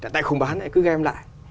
tại không bán thì cứ game lại